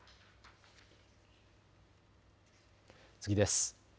次です。